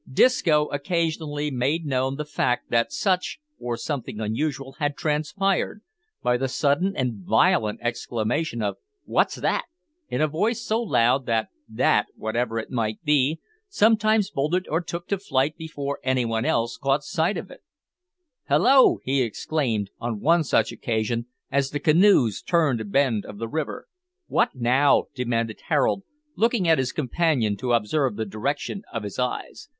Disco occasionally made known the fact that such, or something unusual, had transpired, by the sudden and violent exclamation of "What's that?" in a voice so loud that "that," whatever it might be, sometimes bolted or took to flight before any one else caught sight of it. "Hallo!" he exclaimed, on one such occasion, as the canoes turned a bend of the river. "What now?" demanded Harold, looking at his companion to observe the direction of his eyes.